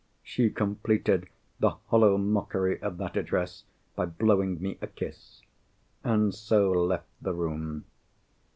She completed the hollow mockery of that address by blowing me a kiss—and so left the room.